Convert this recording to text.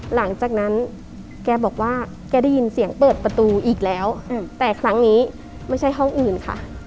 หลังจากนั้นแกบอกว่าแกได้ยินเสียงเปิดประตูอีกแล้วแต่ครั้งนี้ไม่ใช่ห้องอื่นค่ะ